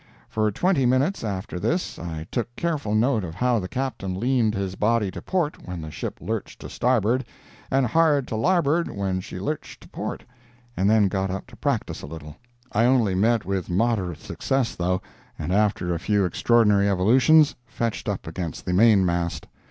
For twenty minutes after this I took careful note of how the Captain leaned his body to port when the ship lurched to starboard, and hard to larboard when she lurched to port, and then got up to practice a little. I only met with moderate success, though, and after a few extraordinary evolutions, fetched up against the mainmast.